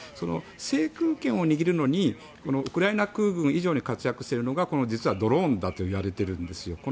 制空権を握るのにウクライナ空軍以上に活躍しているのが実はこのドローンだといわれているんですよ。